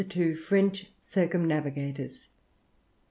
FRENCH CIRCUMNAVIGATORS.